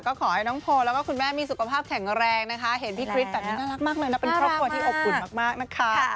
ก็ขอให้น้องโพลแล้วก็คุณแม่มีสุขภาพแข็งแรงนะคะเห็นพี่คริสแบบนี้น่ารักมากเลยนะเป็นครอบครัวที่อบอุ่นมากนะคะ